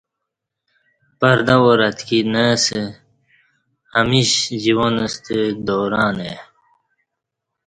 پردہ وار اتکی نہ اسہ ہمیش جوان ستہ دوران ا ی